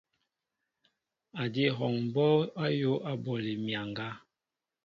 Adi hɔŋɓɔɔŋ ayōō aɓoli myaŋga.